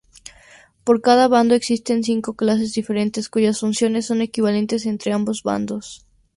Por cada bando existen cinco clases diferentes, cuyas funciones son equivalentes entre ambos bandos.